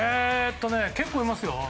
結構いますよ。